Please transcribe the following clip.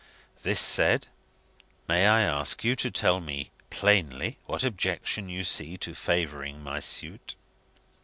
This said, may I ask you to tell me plainly what objection you see to favouring my suit?"